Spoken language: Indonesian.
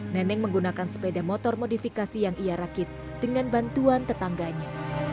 neneng menggunakan sepeda motor modifikasi yang ia rakit dengan bantuan tetangganya